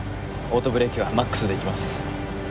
オートブレーキはマックスでいきます。